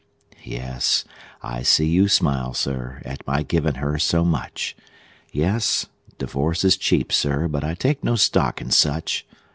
Yes, I see you smile, Sir, at my givin' her so much; Yes, divorce is cheap, Sir, but I take no stock in such!